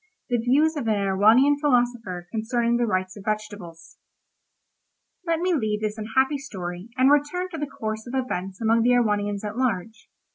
THE VIEWS OF AN EREWHONIAN PHILOSOPHER CONCERNING THE RIGHTS OF VEGETABLES Let me leave this unhappy story, and return to the course of events among the Erewhonians at large.